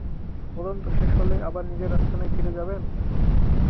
তদন্ত শেষ হলে আবার নিজের আস্তানায় ফিরে যাবেন?